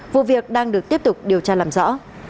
vụ việc đang được tiếp tục điều tra làm rõ